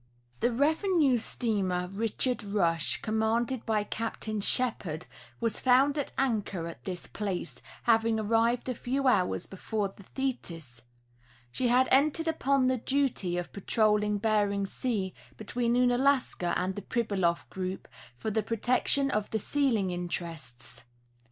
~ The revenue steamer Richard Rush, commanded by Captain Shepherd, was found at anchor at this place, having arrived a few hours before the Thetis ; she had entered upon the duty of patrolling Bering sea, between Ounalaska and the Pribyloft group, for the protection of the sealing interests.